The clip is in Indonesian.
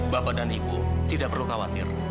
bapak dan ibu tidak perlu khawatir